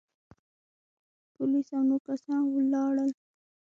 پوليس او نور کسان ولاړل.